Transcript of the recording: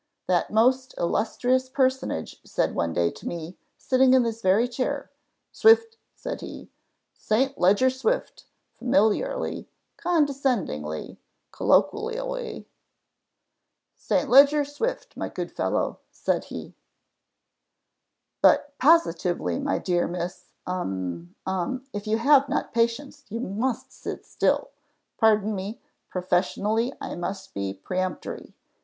That most illustrious personage said one day to me, sitting in this very chair 'Swift,' said he, 'St. Leger Swift,' familiarly, condescendingly, colloquially 'St. Leger Swift, my good fellow,' said he "But positively, my dear Miss um, um, if you have not patience you must sit still pardon me, professionally I must be peremptory.